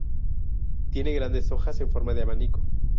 Tiene grandes hojas en forma de abanico.